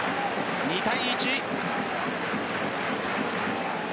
２対１。